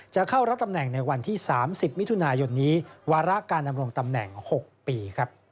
จะเข้ารับตำแหน่งในวันที่๓๐มิถุนายนนี้วาระการดำรงตำแหน่ง๖ปี